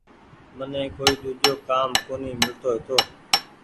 مني ڪوئي ۮوجو ڪآم ڪونيٚ ميلتو هيتو۔